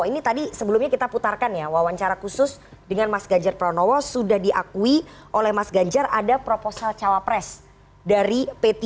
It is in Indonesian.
ini tadi sebelumnya kita putarkan ya wawancara khusus dengan mas ganjar pranowo sudah diakui oleh mas ganjar ada proposal cawapres dari p tiga